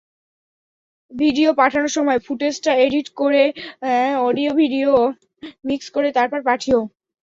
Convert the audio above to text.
Video পাঠানোর সময় ফুটেজটা এডিট করে অডিয়ো ভিডিয়ো মিক্স করে তারপর পাঠিয়ো।